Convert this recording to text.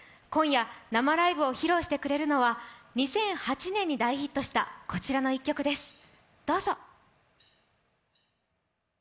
今夜、生ライブを披露してくれるのは２００８年に大ヒットしたこちらの曲です。